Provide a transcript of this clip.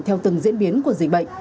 theo từng diễn biến của dịch bệnh